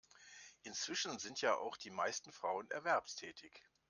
Inzwischen sind ja auch die meisten Frauen erwerbstätig.